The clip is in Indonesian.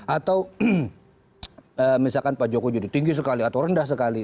atau misalkan pak jokowi jadi tinggi sekali atau rendah sekali